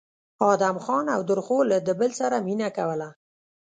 ادم خان او درخو له د بل سره مينه کوله